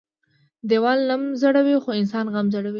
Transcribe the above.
ديوال نم زړوى خو انسان غم زړوى.